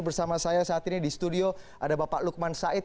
bersama saya saat ini di studio ada bapak lukman said